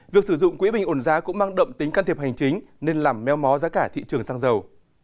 việc sử dụng quỹ bình ổn giá cũng mang đậm tính can thiệp hành chính nên làm meo mó giá cả thị trường xăng dầu